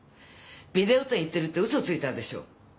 ビデオ店行ってるって嘘ついたでしょ？